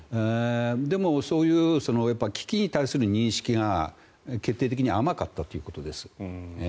でも、そういう危機に対する認識が決定的に甘かったということです。